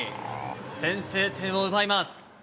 先制点を奪います。